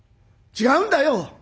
違うんだよ！